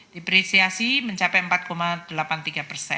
depresiasi mencapai empat delapan puluh tiga